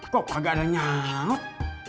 kok kagak ada nyamuk